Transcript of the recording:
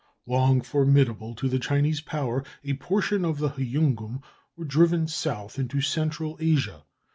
Long formidable to the Chinese power, a portion of the Hioungum were driven south into Central Asia.